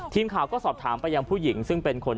ทีมข่าวก็สอบถามไปยังผู้หญิงซึ่งเป็นคน